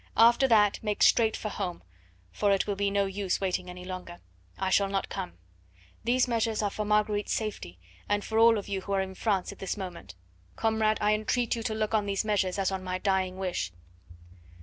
After that make straight for home, for it will be no use waiting any longer. I shall not come. These measures are for Marguerite's safety, and for you all who are in France at this moment. Comrade, I entreat you to look on these measures as on my dying wish.